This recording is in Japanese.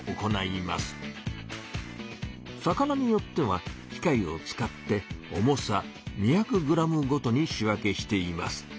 魚によっては機械を使って重さ２００グラムごとに仕分けしています。